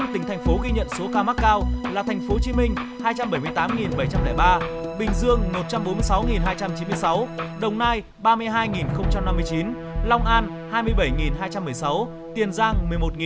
năm tỉnh thành phố ghi nhận số ca mắc cao là thành phố hồ chí minh hai trăm bảy mươi tám bảy trăm linh ba bình dương một trăm bốn mươi sáu hai trăm chín mươi sáu đồng nai ba mươi hai năm mươi chín long an hai mươi bảy hai trăm một mươi sáu tiền giang một mươi một hai trăm bảy mươi bốn